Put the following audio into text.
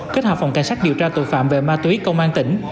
kết hợp phòng cảnh sát điều tra tội phạm về ma túy công an tỉnh